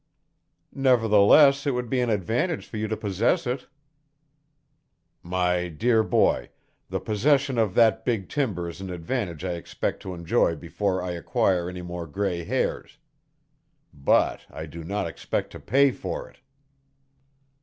"Nevertheless it would be an advantage for you to possess it." "My dear boy, the possession of that big timber is an advantage I expect to enjoy before I acquire many more gray hairs. But I do not expect to pay for it."